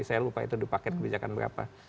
saya lupa itu paket kebijakan berapa